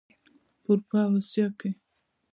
په اروپا او اسیا کې.